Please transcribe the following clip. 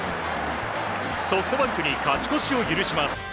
ソフトバンクに勝ち越しを許します。